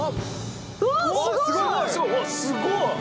すごい！